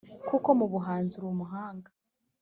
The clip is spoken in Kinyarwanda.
kuko mu buhanzi uri umuhanga